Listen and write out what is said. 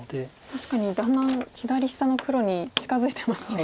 確かにだんだん左下の黒に近づいてますね。